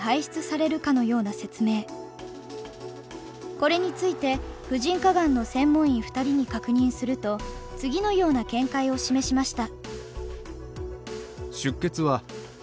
これについて婦人科がんの専門医２人に確認すると次のような見解を示しました。